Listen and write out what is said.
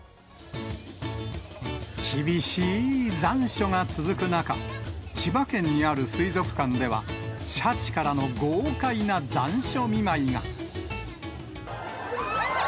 厳しい残暑が続く中、千葉県にある水族館では、シャチからの豪快な残暑見舞いが。